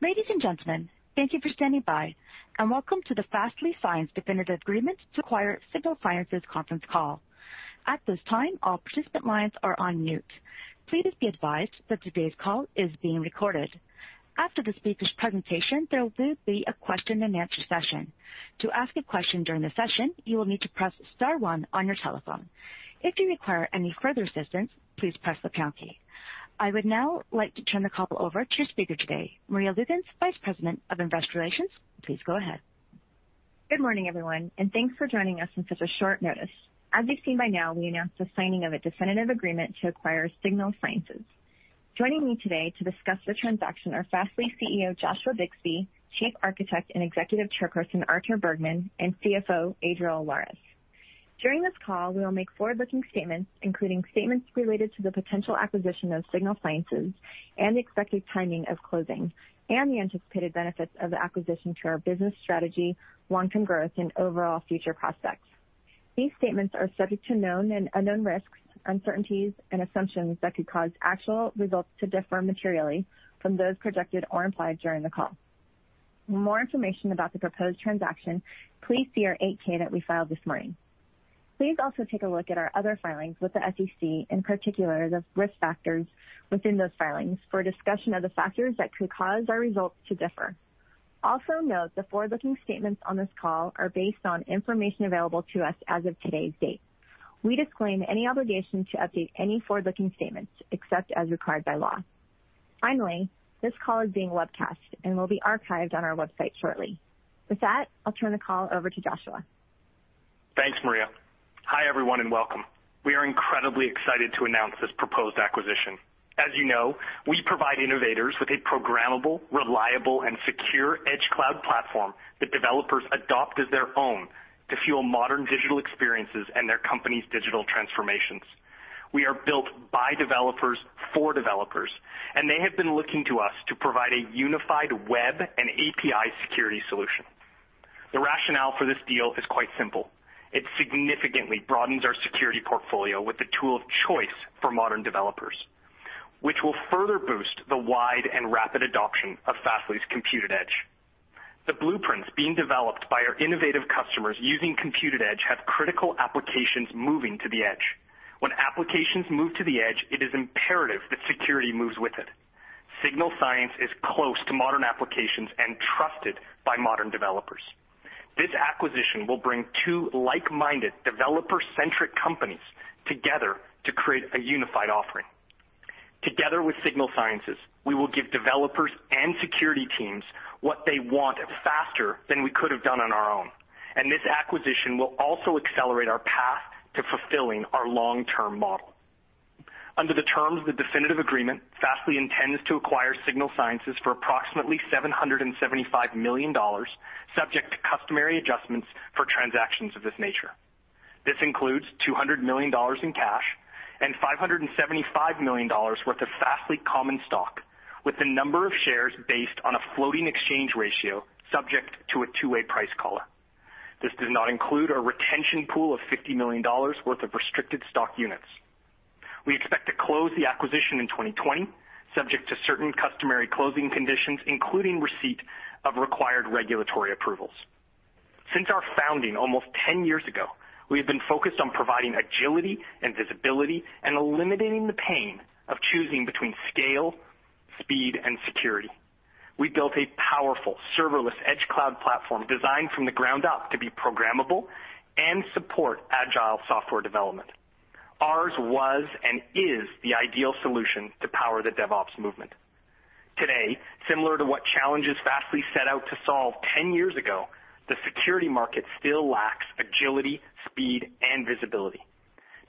Ladies and gentlemen, thank you for standing by and welcome to the Fastly signs definitive agreement to acquire Signal Sciences conference call. At this time, all participant lines are on mute. Please be advised that today's call is being recorded. After the speaker's presentation, there will then be a question-and-answer session. To ask a question during the session, you will need to press star one on your telephone. If you require any further assistance, please press the pound key. I would now like to turn the call over to your speaker today, Maria Lukens, Vice President of Investor Relations. Please go ahead. Good morning, everyone, and thanks for joining us on such a short notice. As you've seen by now, we announced the signing of a definitive agreement to acquire Signal Sciences. Joining me today to discuss the transaction are Fastly CEO Joshua Bixby, Chief Architect and Executive Chairperson Artur Bergman, and CFO Adriel Lares. During this call, we will make forward-looking statements, including statements related to the potential acquisition of Signal Sciences and the expected timing of closing, and the anticipated benefits of the acquisition to our business strategy, long-term growth, and overall future prospects. These statements are subject to known and unknown risks, uncertainties, and assumptions that could cause actual results to differ materially from those projected or implied during the call. For more information about the proposed transaction, please see our 8-K that we filed this morning. Please also take a look at our other filings with the SEC, in particular the risk factors within those filings for a discussion of the factors that could cause our results to differ. Also note the forward-looking statements on this call are based on information available to us as of today's date. We disclaim any obligation to update any forward-looking statements except as required by law. Finally, this call is being webcast and will be archived on our website shortly. With that, I'll turn the call over to Joshua. Thanks, Maria. Hi, everyone, welcome. We are incredibly excited to announce this proposed acquisition. As you know, we provide innovators with a programmable, reliable, and secure edge cloud platform that developers adopt as their own to fuel modern digital experiences and their company's digital transformations. We are built by developers for developers, they have been looking to us to provide a unified web and API security solution. The rationale for this deal is quite simple. It significantly broadens our security portfolio with the tool of choice for modern developers, which will further boost the wide and rapid adoption of Fastly's Compute@Edge. The blueprints being developed by our innovative customers using Compute@Edge have critical applications moving to the edge. When applications move to the edge, it is imperative that security moves with it. Signal Sciences is close to modern applications and trusted by modern developers. This acquisition will bring two like-minded developer-centric companies together to create a unified offering. Together with Signal Sciences, we will give developers and security teams what they want faster than we could have done on our own. This acquisition will also accelerate our path to fulfilling our long-term model. Under the terms of the definitive agreement, Fastly intends to acquire Signal Sciences for approximately $775 million, subject to customary adjustments for transactions of this nature. This includes $200 million in cash and $575 million worth of Fastly common stock, with the number of shares based on a floating exchange ratio subject to a two-way price collar. This does not include our retention pool of $50 million worth of restricted stock units. We expect to close the acquisition in 2020, subject to certain customary closing conditions, including receipt of required regulatory approvals. Since our founding almost 10 years ago, we have been focused on providing agility and visibility and eliminating the pain of choosing between scale, speed, and security. We built a powerful serverless edge cloud platform designed from the ground up to be programmable and support agile software development. Ours was and is the ideal solution to power the DevOps movement. Today, similar to what challenges Fastly set out to solve 10 years ago, the security market still lacks agility, speed, and visibility.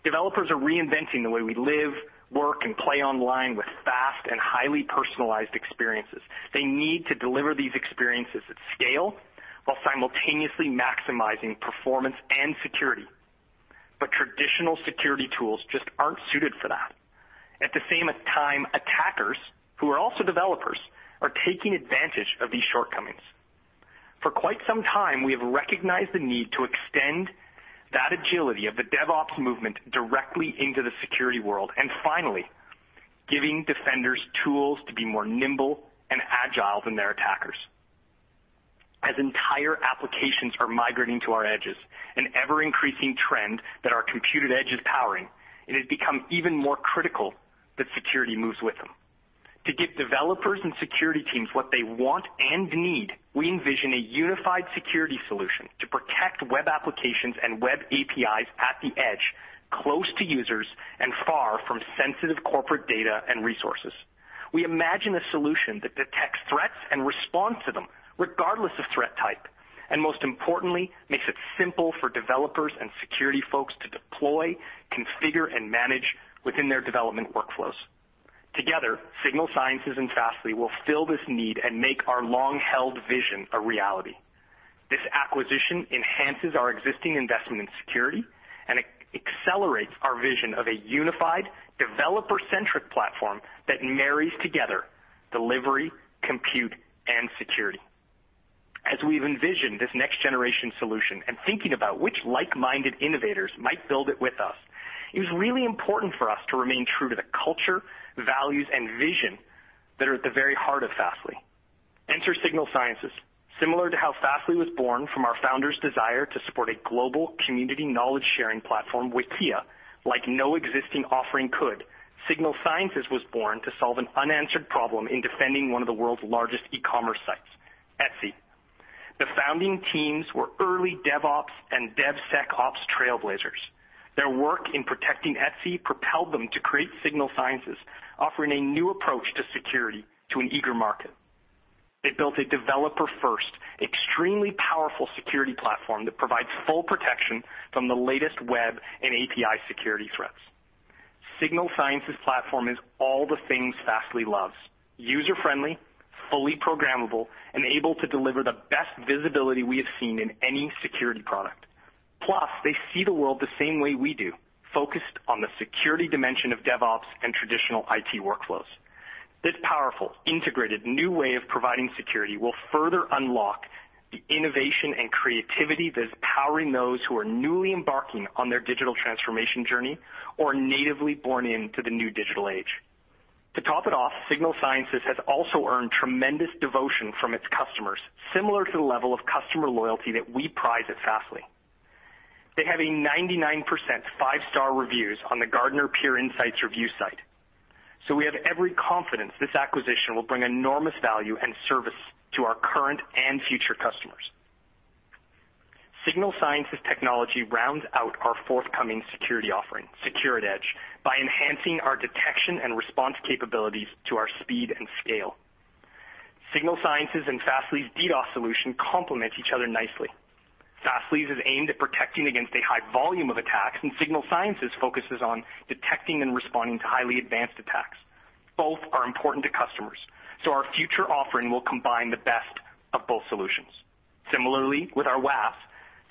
Developers are reinventing the way we live, work, and play online with fast and highly personalized experiences. They need to deliver these experiences at scale while simultaneously maximizing performance and security. Traditional security tools just aren't suited for that. At the same time, attackers, who are also developers, are taking advantage of these shortcomings. For quite some time, we have recognized the need to extend that agility of the DevOps movement directly into the security world and finally giving defenders tools to be more nimble and agile than their attackers. As entire applications are migrating to our edges, an ever-increasing trend that our Compute@Edge is powering, it has become even more critical that security moves with them. To give developers and security teams what they want and need, we envision a unified security solution to protect web applications and web APIs at the edge, close to users and far from sensitive corporate data and resources. We imagine a solution that detects threats and responds to them regardless of threat type, and most importantly, makes it simple for developers and security folks to deploy, configure, and manage within their development workflows. Together, Signal Sciences and Fastly will fill this need and make our long-held vision a reality. This acquisition enhances our existing investment in security and accelerates our vision of a unified developer-centric platform that marries together delivery, compute, and security. As we've envisioned this next-generation solution and thinking about which like-minded innovators might build it with us, it was really important for us to remain true to the culture, values, and vision that are at the very heart of Fastly. Enter Signal Sciences. Similar to how Fastly was born from our founder's desire to support a global community knowledge-sharing platform, Wikia, like no existing offering could, Signal Sciences was born to solve an unanswered problem in defending one of the world's largest e-commerce sites, Etsy. The founding teams were early DevOps and DevSecOps trailblazers. Their work in protecting Etsy propelled them to create Signal Sciences, offering a new approach to security to an eager market. They built a developer-first, extremely powerful security platform that provides full protection from the latest web and API security threats. Signal Sciences platform is all the things Fastly loves, user-friendly, fully programmable, and able to deliver the best visibility we have seen in any security product. Plus, they see the world the same way we do, focused on the security dimension of DevOps and traditional IT workflows. This powerful, integrated new way of providing security will further unlock the innovation and creativity that is powering those who are newly embarking on their digital transformation journey or natively born into the new digital age. To top it off, Signal Sciences has also earned tremendous devotion from its customers, similar to the level of customer loyalty that we prize at Fastly. They have a 99% five-star reviews on the Gartner Peer Insights review site. We have every confidence this acquisition will bring enormous value and service to our current and future customers. Signal Sciences technology rounds out our forthcoming security offering, Secure@Edge, by enhancing our detection and response capabilities to our speed and scale. Signal Sciences and Fastly's DDoS solution complement each other nicely. Fastly's is aimed at protecting against a high volume of attacks, and Signal Sciences focuses on detecting and responding to highly advanced attacks. Both are important to customers, our future offering will combine the best of both solutions. Similarly, with our WAF,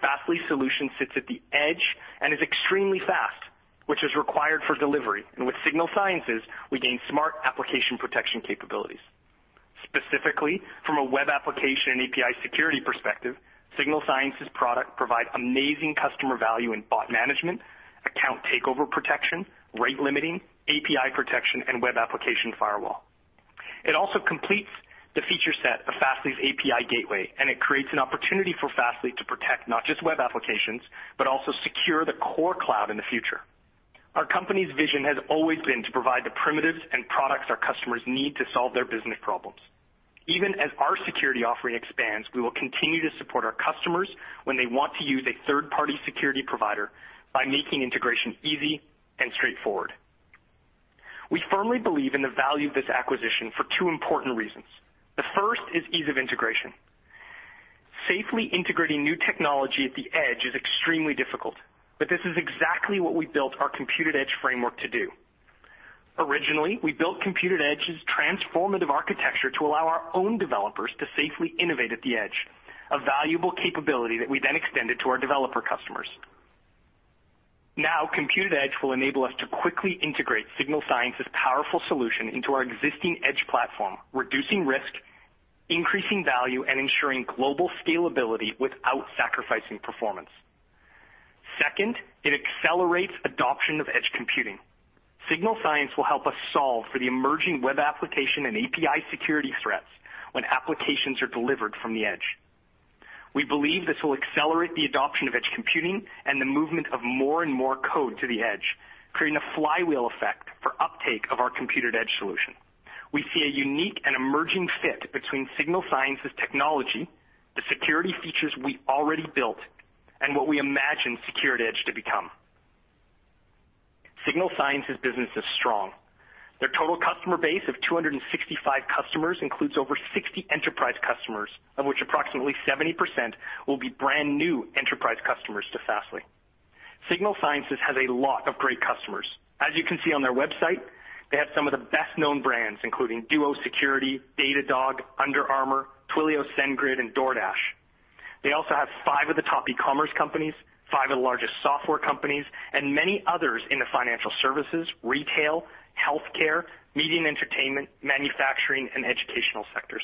Fastly solution sits at the edge and is extremely fast, which is required for delivery. With Signal Sciences, we gain smart application protection capabilities. Specifically, from a web application and API security perspective, Signal Sciences product provide amazing customer value in bot management, account takeover protection, rate limiting, API protection, and web application firewall. It also completes the feature set of Fastly's API gateway. It creates an opportunity for Fastly to protect not just web applications, but also secure the core cloud in the future. Our company's vision has always been to provide the primitives and products our customers need to solve their business problems. Even as our security offering expands, we will continue to support our customers when they want to use a third-party security provider by making integration easy and straightforward. We firmly believe in the value of this acquisition for two important reasons. The first is ease of integration. Safely integrating new technology at the edge is extremely difficult. This is exactly what we built our Compute@Edge framework to do. Originally, we built Compute@Edge's transformative architecture to allow our own developers to safely innovate at the edge, a valuable capability that we then extended to our developer customers. Now, Compute@Edge will enable us to quickly integrate Signal Sciences' powerful solution into our existing edge platform, reducing risk, increasing value, and ensuring global scalability without sacrificing performance. Second, it accelerates adoption of edge computing. Signal Sciences will help us solve for the emerging web application and API security threats when applications are delivered from the edge. We believe this will accelerate the adoption of edge computing and the movement of more and more code to the edge, creating a flywheel effect for uptake of our Compute@Edge solution. We see a unique and emerging fit between Signal Sciences technology, the security features we already built, and what we imagine Secure@Edge to become. Signal Sciences business is strong. Their total customer base of 265 customers includes over 60 enterprise customers, of which approximately 70% will be brand-new enterprise customers to Fastly. Signal Sciences has a lot of great customers. As you can see on their website, they have some of the best-known brands, including Duo Security, Datadog, Under Armour, Twilio, SendGrid, and DoorDash. They also have five of the top e-commerce companies, five of the largest software companies, and many others in the financial services, retail, healthcare, media and entertainment, manufacturing, and educational sectors.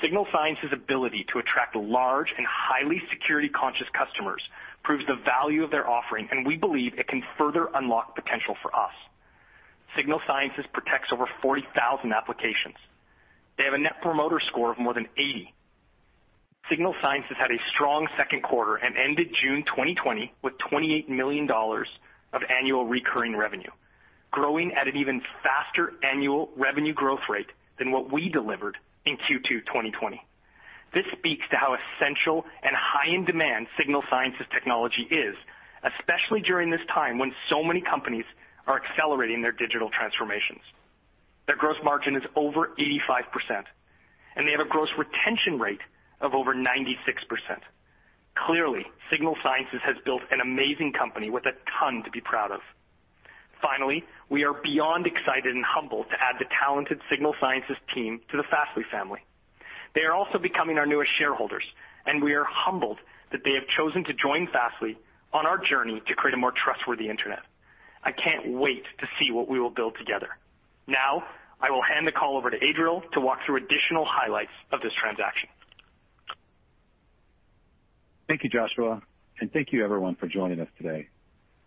Signal Sciences' ability to attract large and highly security-conscious customers proves the value of their offering, and we believe it can further unlock potential for us. Signal Sciences protects over 40,000 applications. They have a Net Promoter Score of more than 80. Signal Sciences had a strong second quarter and ended June 2020 with $28 million of annual recurring revenue, growing at an even faster annual revenue growth rate than what we delivered in Q2 2020. This speaks to how essential and high in demand Signal Sciences technology is, especially during this time when so many companies are accelerating their digital transformations. Their gross margin is over 85%, and they have a gross retention rate of over 96%. Clearly, Signal Sciences has built an amazing company with a ton to be proud of. We are beyond excited and humbled to add the talented Signal Sciences team to the Fastly family. They are also becoming our newest shareholders. We are humbled that they have chosen to join Fastly on our journey to create a more trustworthy internet. I can't wait to see what we will build together. I will hand the call over to Adriel to walk through additional highlights of this transaction. Thank you, Joshua, and thank you everyone for joining us today.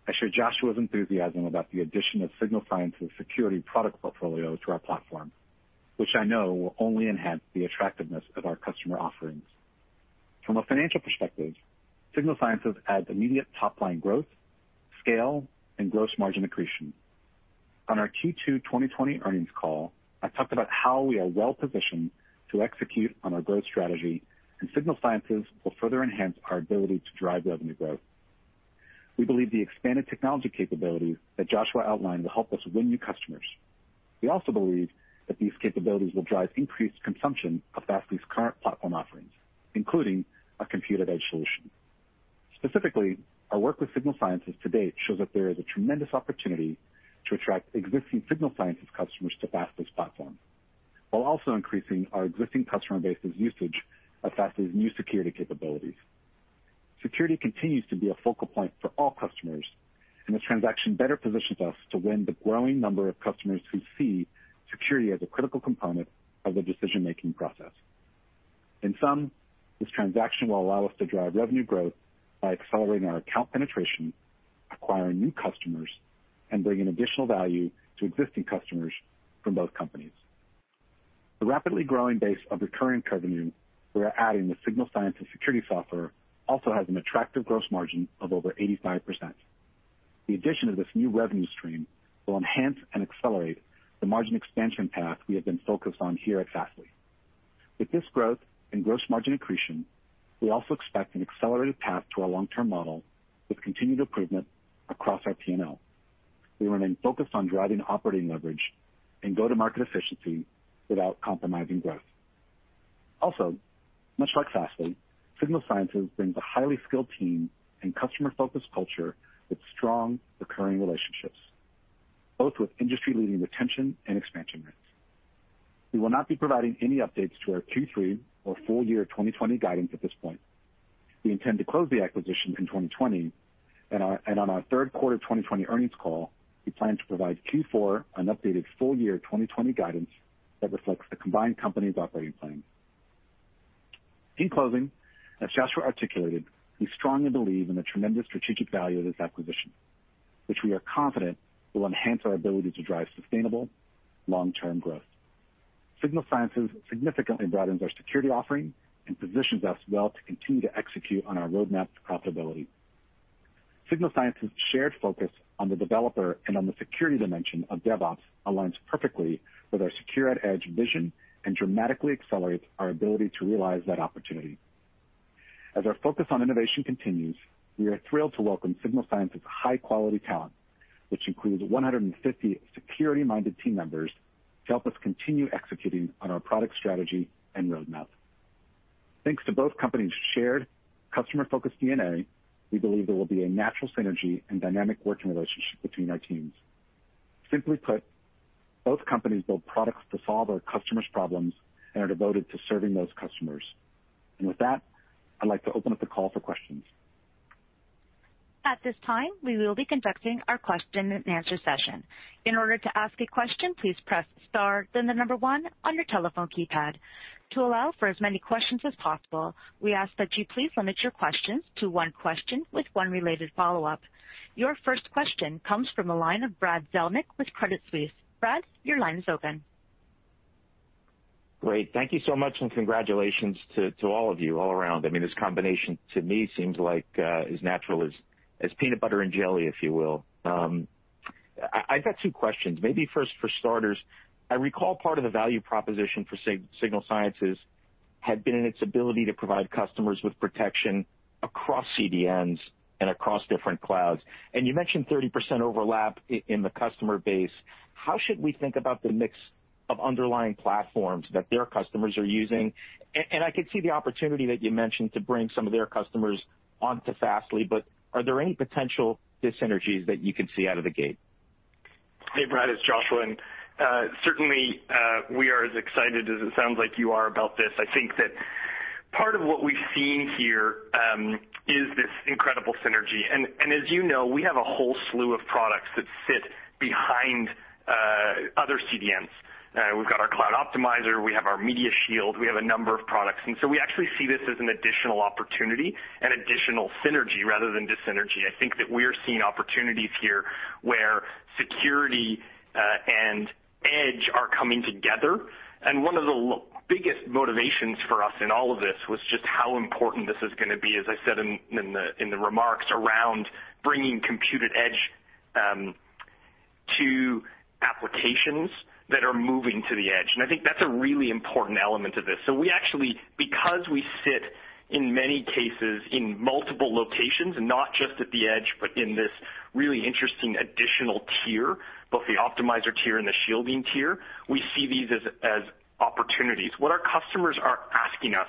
I share Joshua's enthusiasm about the addition of Signal Sciences' security product portfolio to our platform, which I know will only enhance the attractiveness of our customer offerings. From a financial perspective, Signal Sciences adds immediate top-line growth, scale, and gross margin accretion. On our Q2 2020 earnings call, I talked about how we are well-positioned to execute on our growth strategy, and Signal Sciences will further enhance our ability to drive revenue growth. We believe the expanded technology capabilities that Joshua outlined will help us win new customers. We also believe that these capabilities will drive increased consumption of Fastly's current platform offerings, including our Compute@Edge solution. Specifically, our work with Signal Sciences to date shows that there is a tremendous opportunity to attract existing Signal Sciences customers to Fastly's platform, while also increasing our existing customer base's usage of Fastly's new security capabilities. Security continues to be a focal point for all customers, and this transaction better positions us to win the growing number of customers who see security as a critical component of the decision-making process. In sum, this transaction will allow us to drive revenue growth by accelerating our account penetration, acquiring new customers, and bringing additional value to existing customers from both companies. The rapidly growing base of recurring revenue we are adding with Signal Sciences security software also has an attractive gross margin of over 85%. The addition of this new revenue stream will enhance and accelerate the margin expansion path we have been focused on here at Fastly. With this growth and gross margin accretion, we also expect an accelerated path to our long-term model with continued improvement across our P&L. We remain focused on driving operating leverage and go-to-market efficiency without compromising growth. Much like Fastly, Signal Sciences brings a highly skilled team and customer-focused culture with strong recurring relationships, both with industry-leading retention and expansion rates. We will not be providing any updates to our Q3 or full year 2020 guidance at this point. We intend to close the acquisition in 2020, and on our third quarter 2020 earnings call, we plan to provide Q4 and updated full-year 2020 guidance that reflects the combined company's operating plans. In closing, as Joshua articulated, we strongly believe in the tremendous strategic value of this acquisition, which we are confident will enhance our ability to drive sustainable long-term growth. Signal Sciences significantly broadens our security offering and positions us well to continue to execute on our roadmap to profitability. Signal Sciences' shared focus on the developer and on the security dimension of DevOps aligns perfectly with our secure edge vision and dramatically accelerates our ability to realize that opportunity. As our focus on innovation continues, we are thrilled to welcome Signal Sciences' high-quality talent, which includes 150 security-minded team members to help us continue executing on our product strategy and roadmap. Thanks to both companies' shared customer-focused DNA, we believe there will be a natural synergy and dynamic working relationship between our teams. Simply put, both companies build products to solve our customers' problems and are devoted to serving those customers. With that, I'd like to open up the call for questions. At this time, we will be conducting our question-and-answer session. In order to ask a question, please press star then the number one on your telephone keypad. To allow for as many questions as possible, we ask that you please limit your questions to one question with one related follow-up. Your first question comes from the line of Brad Zelnick with Credit Suisse. Brad, your line is open. Great. Thank you so much, and congratulations to all of you, all around. I mean, this combination to me seems like as natural as peanut butter and jelly, if you will. I've got two questions. Maybe first for starters, I recall part of the value proposition for Signal Sciences had been in its ability to provide customers with protection across CDNs and across different clouds. You mentioned 30% overlap in the customer base. How should we think about the mix of underlying platforms that their customers are using? I could see the opportunity that you mentioned to bring some of their customers onto Fastly, but are there any potential dyssynergies that you can see out of the gate? Hey, Brad, it's Joshua. Certainly, we are as excited as it sounds like you are about this. I think that part of what we've seen here is this incredible synergy. As you know, we have a whole slew of products that fit behind other CDNs. We've got our Cloud Optimizer, we have our Media Shield, we have a number of products. So we actually see this as an additional opportunity and additional synergy rather than dyssynergy. I think that we're seeing opportunities here where security and edge are coming together. One of the biggest motivations for us in all of this was just how important this is going to be, as I said in the remarks around bringing Compute@Edge to applications that are moving to the edge. I think that's a really important element of this. We actually, because we sit in many cases in multiple locations, not just at the edge, but in this really interesting additional tier, both the optimizer tier and the shielding tier, we see these as opportunities. What our customers are asking us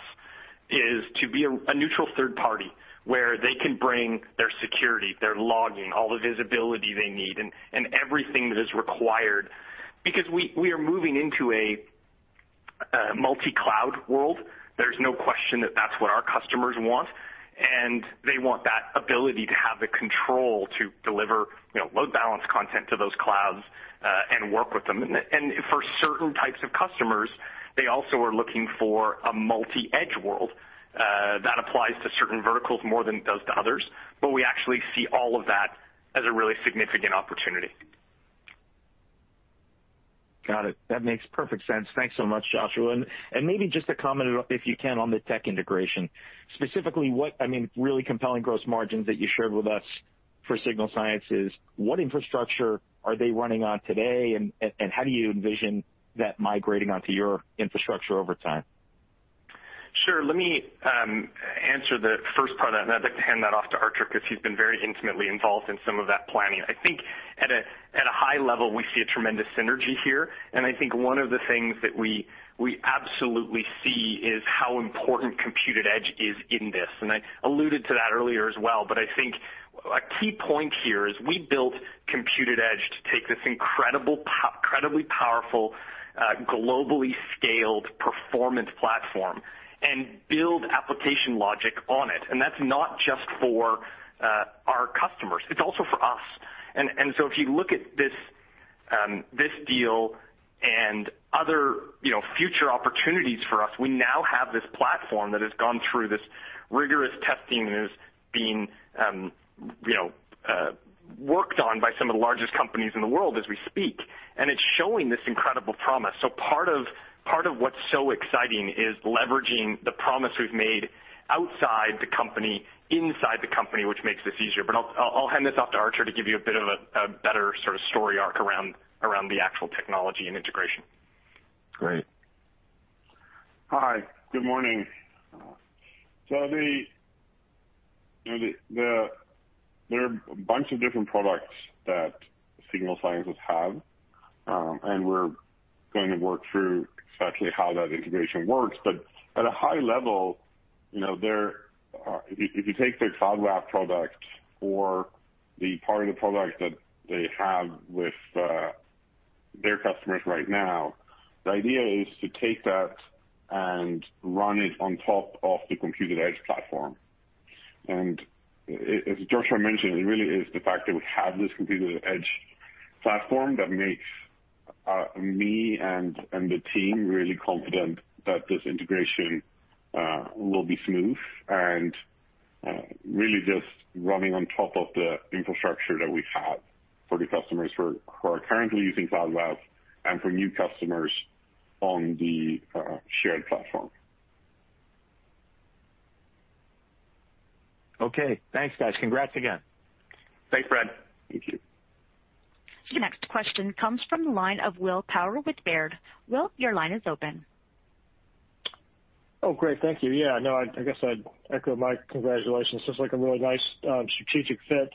is to be a neutral third party where they can bring their security, their logging, all the visibility they need, and everything that is required. Because we are moving into a multi-cloud world, there's no question that that's what our customers want, and they want that ability to have the control to deliver load balance content to those clouds, and work with them. For certain types of customers, they also are looking for a multi-edge world, that applies to certain verticals more than it does to others, but we actually see all of that as a really significant opportunity. Got it. That makes perfect sense. Thanks so much, Joshua. Maybe just to comment, if you can, on the tech integration, specifically really compelling gross margins that you shared with us for Signal Sciences. What infrastructure are they running on today, and how do you envision that migrating onto your infrastructure over time? Sure. Let me answer the first part of that, I'd like to hand that off to Artur, because he's been very intimately involved in some of that planning. I think at a high level, we see a tremendous synergy here, I think one of the things that we absolutely see is how important Compute@Edge is in this. I alluded to that earlier as well, but I think a key point here is we built Compute@Edge to take this incredibly powerful, globally scaled performance platform and build application logic on it. That's not just for our customers, it's also for us. If you look at this deal and other future opportunities for us, we now have this platform that has gone through this rigorous testing and is being worked on by some of the largest companies in the world as we speak. It's showing this incredible promise. Part of what's so exciting is leveraging the promise we've made outside the company, inside the company, which makes this easier. I'll hand this off to Artur to give you a bit of a better sort of story arc around the actual technology and integration. Great. Hi, good morning. There are a bunch of different products that Signal Sciences have, and we're going to work through exactly how that integration works. At a high level, if you take their Cloud WAF product or the part of the product that they have with their customers right now, the idea is to take that and run it on top of the Compute@Edge platform. As Joshua mentioned, it really is the fact that we have this Compute@Edge platform that makes me and the team really confident that this integration will be smooth and really just running on top of the infrastructure that we have for the customers who are currently using Cloud WAF and for new customers on the shared platform. Okay, thanks guys. Congrats again. Thanks, Brad. Thank you. The next question comes from the line of Will Power with Baird. Will, your line is open. Oh, great. Thank you. Yeah, no, I guess I'd echo my congratulations. This looks like a really nice, strategic fit.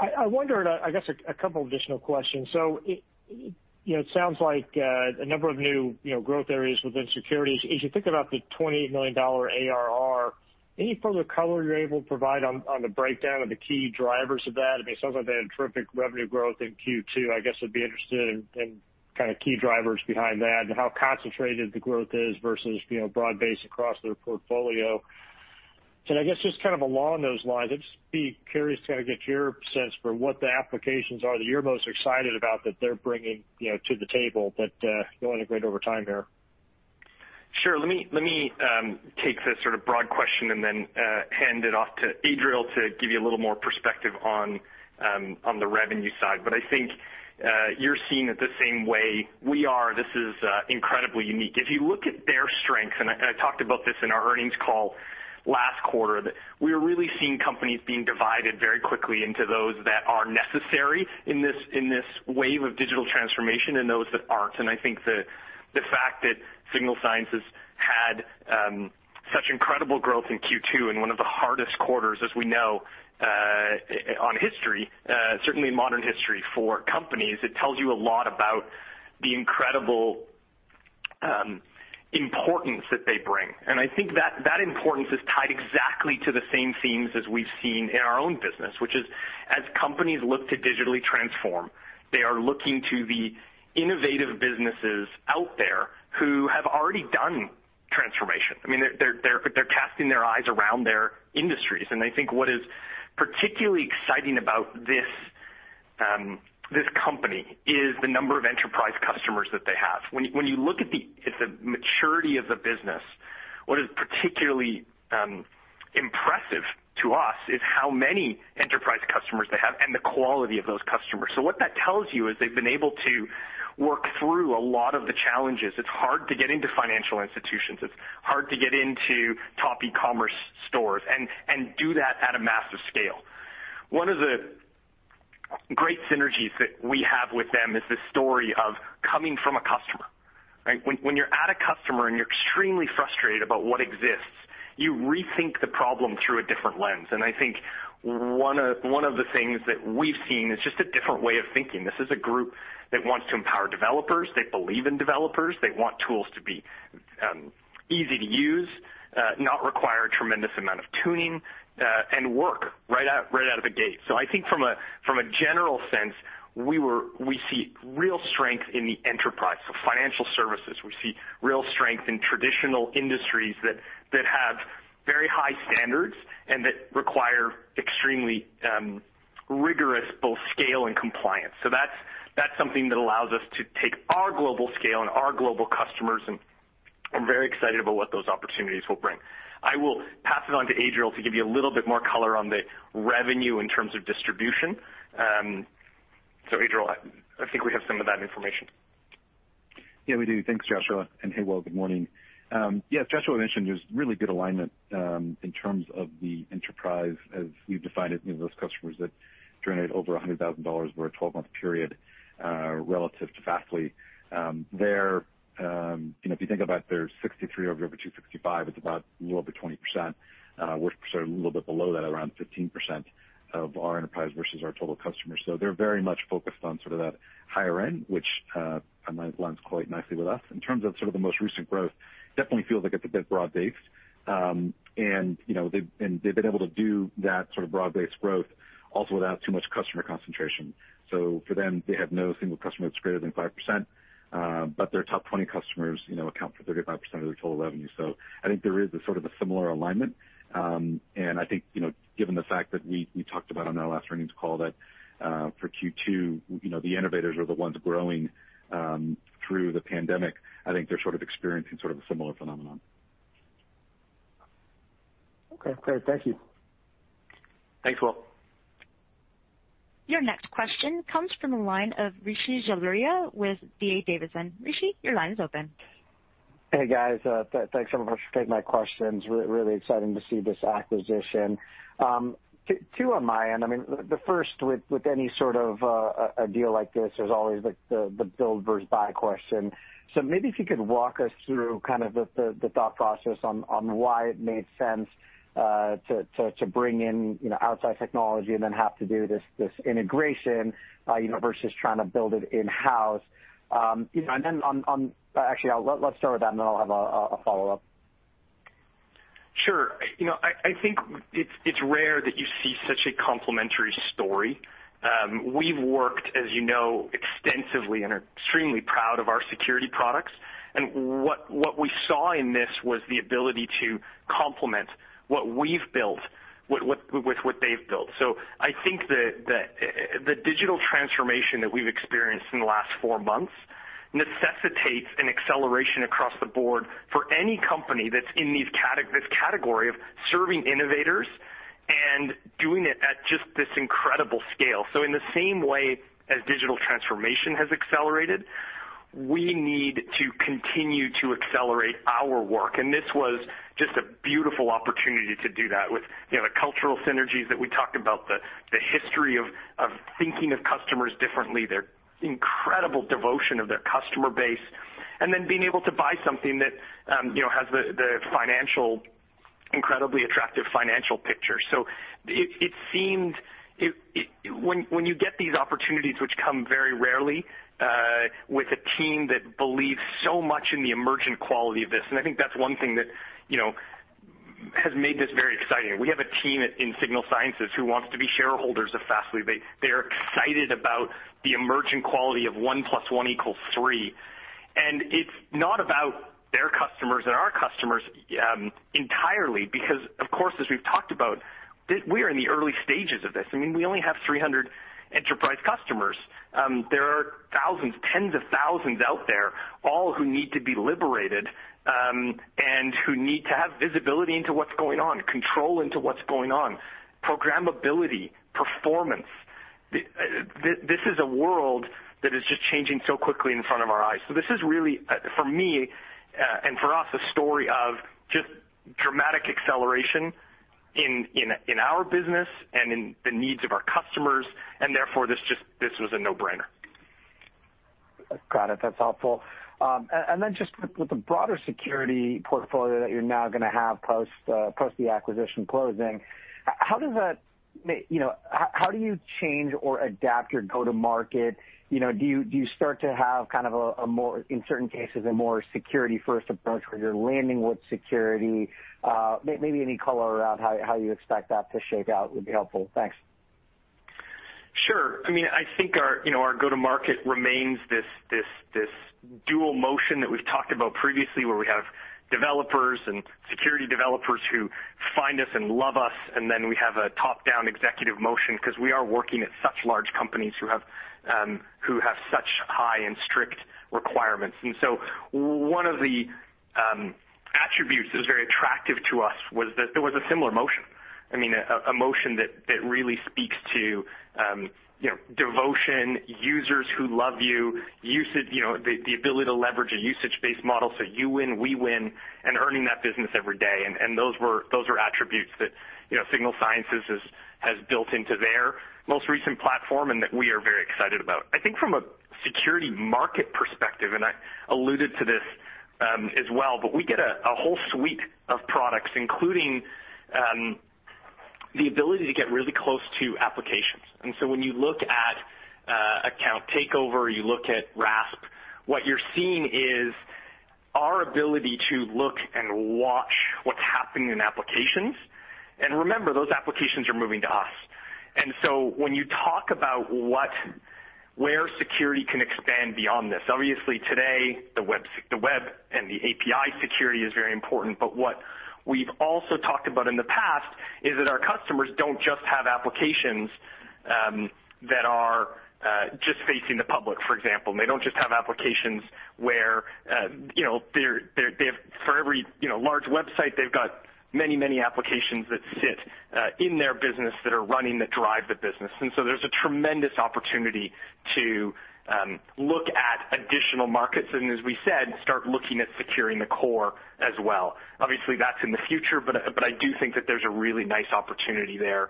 I wonder, I guess a couple additional questions. It sounds like a number of new growth areas within Secure@Edge. As you think about the $28 million ARR, any further color you're able to provide on the breakdown of the key drivers of that? It sounds like they had terrific revenue growth in Q2, I guess I'd be interested in kind of key drivers behind that and how concentrated the growth is versus broad-based across their portfolio. I guess just kind of along those lines, I'd just be curious to get your sense for what the applications are that you're most excited about that they're bringing to the table that they'll integrate over time there. Sure. Let me take the sort of broad question and then hand it off to Adriel to give you a little more perspective on the revenue side. I think, you're seeing it the same way we are. This is incredibly unique. If you look at their strengths, I talked about this in our earnings call last quarter, that we are really seeing companies being divided very quickly into those that are necessary in this wave of digital transformation and those that aren't. I think the fact that Signal Sciences had such incredible growth in Q2 in one of the hardest quarters as we know on history, certainly in modern history for companies, it tells you a lot about the incredible importance that they bring. I think that importance is tied exactly to the same themes as we've seen in our own business, which is as companies look to digitally transform, they are looking to the innovative businesses out there who have already done transformation. They're casting their eyes around their industries. I think what is particularly exciting about this company is the number of enterprise customers that they have. When you look at the maturity of the business, what is particularly impressive to us is how many enterprise customers they have and the quality of those customers. What that tells you is they've been able to work through a lot of the challenges. It's hard to get into financial institutions. It's hard to get into top e-commerce stores and do that at a massive scale. One of the great synergies that we have with them is this story of coming from a customer, right? When you're at a customer and you're extremely frustrated about what exists. You rethink the problem through a different lens. I think one of the things that we've seen is just a different way of thinking. This is a group that wants to empower developers. They believe in developers. They want tools to be easy to use, not require a tremendous amount of tuning, and work right out of the gate. I think from a general sense, we see real strength in the enterprise of financial services. We see real strength in traditional industries that have very high standards and that require extremely rigorous both scale and compliance. That's something that allows us to take our global scale and our global customers, and I'm very excited about what those opportunities will bring. I will pass it on to Adriel to give you a little bit more color on the revenue in terms of distribution. Adriel, I think we have some of that information. Yeah, we do. Thanks, Joshua. Hey, Will, good morning. As Joshua mentioned, there's really good alignment, in terms of the enterprise as we've defined it, those customers that generate over $100,000 worth of 12-month period, relative to Fastly. If you think about their 63 over 265, it's about a little bit 20%, we're a little bit below that, around 15% of our enterprise versus our total customers. They're very much focused on that higher end, which blends quite nicely with us. In terms of the most recent growth, definitely feels like it's a bit broad-based. They've been able to do that sort of broad-based growth also without too much customer concentration. For them, they have no single customer that's greater than 5%, but their top 20 customers account for 35% of their total revenue. I think there is a sort of a similar alignment. I think, given the fact that we talked about on our last earnings call that, for Q2, the innovators are the ones growing through the pandemic, I think they're sort of experiencing a similar phenomenon. Okay, great. Thank you. Thanks, Will. Your next question comes from the line of Rishi Jaluria with D.A. Davidson. Rishi, your line is open. Hey, guys. Thanks so much for taking my questions. Really exciting to see this acquisition. Two on my end. The first, with any sort of a deal like this, there's always the build versus buy question. Maybe if you could walk us through kind of the thought process on why it made sense to bring in outside technology and then have to do this integration versus trying to build it in-house. Actually, let's start with that, and then I'll have a follow-up. Sure. I think it's rare that you see such a complementary story. We've worked, as you know, extensively and are extremely proud of our security products. What we saw in this was the ability to complement what we've built with what they've built. I think the digital transformation that we've experienced in the last four months necessitates an acceleration across the board for any company that's in this category of serving innovators and doing it at just this incredible scale. In the same way as digital transformation has accelerated, we need to continue to accelerate our work, and this was just a beautiful opportunity to do that with the cultural synergies that we talked about, the history of thinking of customers differently, their incredible devotion of their customer base, and then being able to buy something that has the incredibly attractive financial picture. When you get these opportunities, which come very rarely, with a team that believes so much in the emergent quality of this. I think that's one thing that has made this very exciting. We have a team in Signal Sciences who wants to be shareholders of Fastly. They're excited about the emergent quality of 1+1=3. It's not about their customers and our customers entirely because, of course, as we've talked about, we are in the early stages of this. We only have 300 enterprise customers. There are thousands, tens of thousands out there, all who need to be liberated, and who need to have visibility into what's going on, control into what's going on, programmability, performance. This is a world that is just changing so quickly in front of our eyes. This is really, for me and for us, a story of just dramatic acceleration in our business and in the needs of our customers, and therefore this was a no-brainer. Got it. That's helpful. Just with the broader security portfolio that you're now going to have post the acquisition closing, how do you change or adapt your go-to market? Do you start to have kind of a more, in certain cases, a more security-first approach where you're landing with security? Maybe any color around how you expect that to shake out would be helpful. Thanks. Sure. I think our go-to market remains this dual motion that we've talked about previously, where we have developers and security developers who find us and love us, and then we have a top-down executive motion because we are working at such large companies who have such high and strict requirements. One of the attributes that was very attractive to us was that there was a similar motion. A motion that really speaks to devotion, users who love you, the ability to leverage a usage-based model, so you win, we win, and earning that business every day. Those were attributes that Signal Sciences has built into their most recent platform, and that we are very excited about. I think from a security market perspective, and I alluded to this as well, but we get a whole suite of products, including the ability to get really close to applications. When you look at account takeover, you look at RASP, what you're seeing is our ability to look and watch what's happening in applications. Remember, those applications are moving to us. When you talk about where security can expand beyond this, obviously today, the web and the API security is very important, but what we've also talked about in the past is that our customers don't just have applications that are just facing the public, for example. They don't just have applications where for every large website, they've got many applications that sit in their business that are running, that drive the business. There's a tremendous opportunity to look at additional markets, and as we said, start looking at securing the core as well. Obviously, that's in the future, but I do think that there's a really nice opportunity there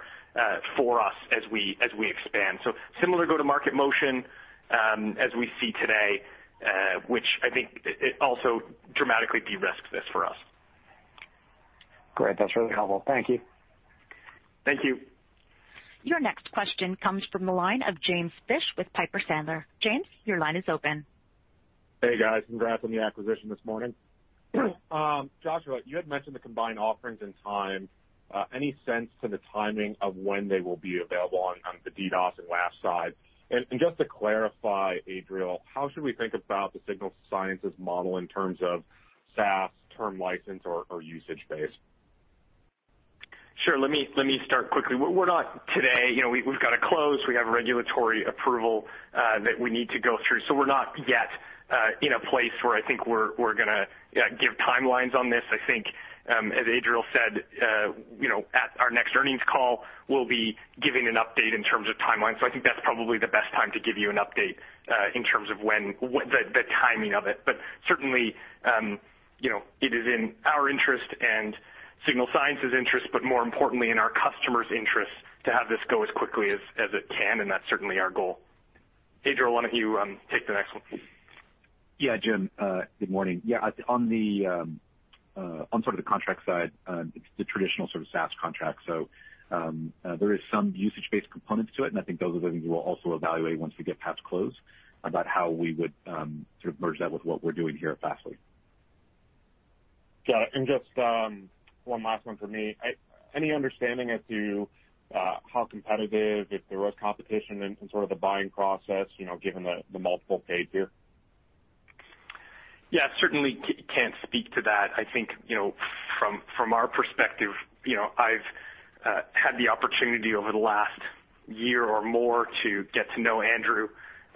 for us as we expand. Similar go-to-market motion, as we see today, which I think it also dramatically de-risks this for us. Great. That's really helpful. Thank you. Thank you. Your next question comes from the line of Jim Fish with Piper Sandler. Jim, your line is open. Hey, guys. Congrats on the acquisition this morning. Joshua, you had mentioned the combined offerings and time. Any sense to the timing of when they will be available on the DDoS and WAF side? Just to clarify, Adriel, how should we think about the Signal Sciences model in terms of SaaS term license or usage-based? Sure. Let me start quickly. We've got to close. We have a regulatory approval that we need to go through. We're not yet in a place where I think we're going to give timelines on this. I think, as Adriel said, at our next earnings call, we'll be giving an update in terms of timeline. I think that's probably the best time to give you an update, in terms of the timing of it. Certainly, it is in our interest and Signal Sciences' interest, but more importantly in our customers' interest to have this go as quickly as it can, and that's certainly our goal. Adriel, why don't you take the next one? Jim, good morning. On sort of the contract side, it's the traditional sort of SaaS contract. There is some usage-based components to it, and I think those are things we'll also evaluate once we get past close about how we would sort of merge that with what we're doing here at Fastly. Got it. Just one last one for me. Any understanding as to how competitive, if there was competition in sort of the buying process, given the multiple paid here? Yeah, certainly can't speak to that. I think, from our perspective, I've had the opportunity over the last year or more to get to know Andrew,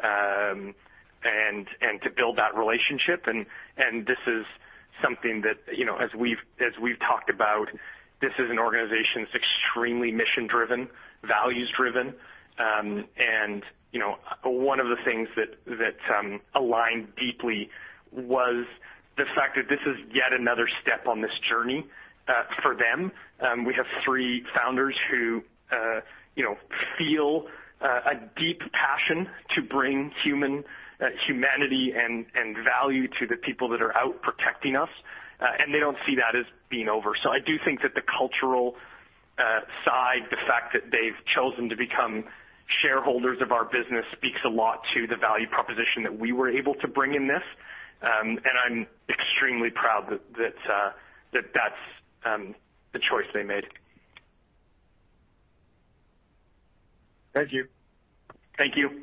and to build that relationship. This is something that as we've talked about, this is an organization that's extremely mission-driven, values-driven. One of the things that aligned deeply was the fact that this is yet another step on this journey for them. We have three founders who feel a deep passion to bring humanity and value to the people that are out protecting us, and they don't see that as being over. I do think that the cultural side, the fact that they've chosen to become shareholders of our business speaks a lot to the value proposition that we were able to bring in this. I'm extremely proud that that's the choice they made. Thank you. Thank you.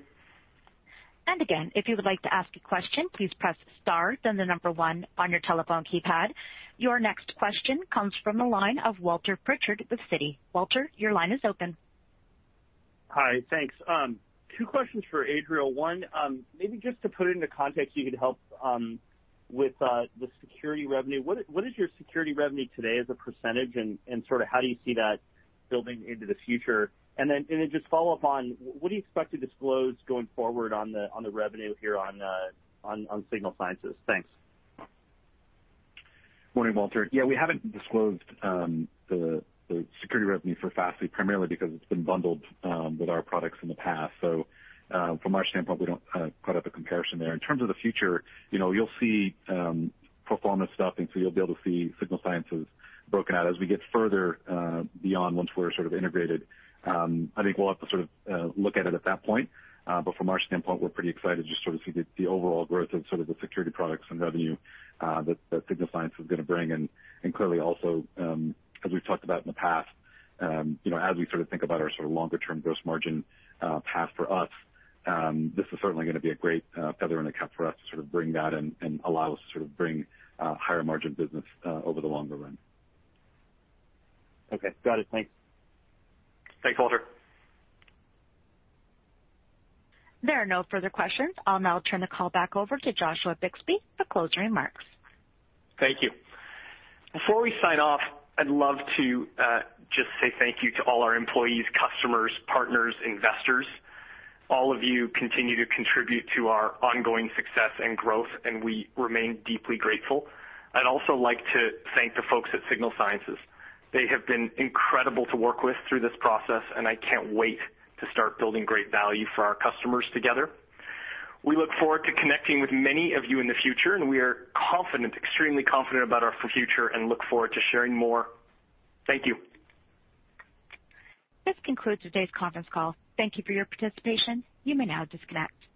Again, if you would like to ask a question, please press star then the number one on your telephone keypad. Your next question comes from the line of Walter Pritchard with Citi. Walter, your line is open. Hi. Thanks. Two questions for Adriel. One, maybe just to put it into context, you could help with the security revenue. What is your security revenue today as a percentage, and sort of how do you see that building into the future? Just follow up on, what do you expect to disclose going forward on the revenue here on Signal Sciences? Thanks. Morning, Walter. We haven't disclosed the security revenue for Fastly, primarily because it's been bundled with our products in the past. From our standpoint, we don't quite have a comparison there. In terms of the future, you'll see pro forma stuff, you'll be able to see Signal Sciences broken out as we get further beyond, once we're sort of integrated. I think we'll have to sort of look at it at that point. From our standpoint, we're pretty excited just sort of to see the overall growth of sort of the security products and revenue that Signal Sciences is going to bring in. Clearly also, as we've talked about in the past, as we think about our longer-term gross margin path for us, this is certainly going to be a great feather in the cap for us to bring that and allow us to bring higher margin business over the longer run. Okay. Got it. Thanks. Thanks, Walter. There are no further questions. I'll now turn the call back over to Joshua Bixby for closing remarks. Thank you. Before we sign off, I'd love to just say thank you to all our employees, customers, partners, investors. All of you continue to contribute to our ongoing success and growth, and we remain deeply grateful. I'd also like to thank the folks at Signal Sciences. They have been incredible to work with through this process, and I can't wait to start building great value for our customers together. We look forward to connecting with many of you in the future, and we are extremely confident about our future and look forward to sharing more. Thank you. This concludes today's conference call. Thank you for your participation. You may now disconnect.